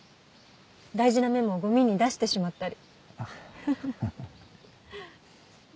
大事なメモをゴミに出してしまったり。